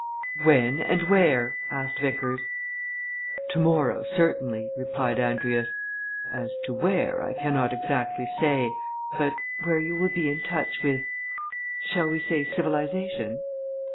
"When and where?" asked Vickers. "Tomorrow, certainly," replied Andrius. "As to where, I cannot exactly say. But where you will be in touch with shall we say civilization?"